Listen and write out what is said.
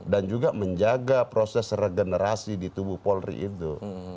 dan juga menjaga proses regenerasi di tubuh polri itu